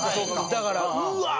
だからうわー！